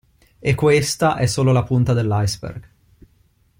E questa è solo la punta dell'iceberg.